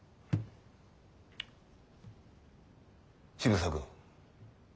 渋沢君。